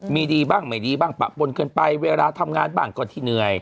มีดีบ้างไม่ดีบ้างปะปนเกินไปเวลาทำงานบ้างก็ที่เหนื่อย